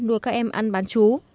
đùa các em ăn bán chú